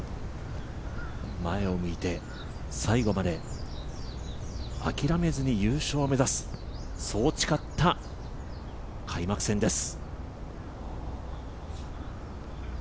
前を向いて、最後まで諦めずに優勝を目指すそう誓った開幕戦です。